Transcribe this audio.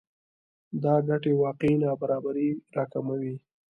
دا ګټې واقعي نابرابری راکموي